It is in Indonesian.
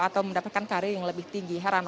atau mendapatkan karir yang lebih tinggi